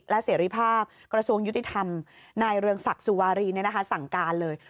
และเสรีภาพกระทรวงยุติธรรมนายเรืองศักดิ์สุวารีสั่งการเลย